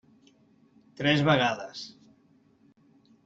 Tres vegades.